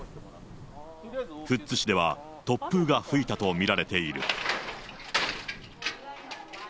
富津市では突風が吹いたと見られている。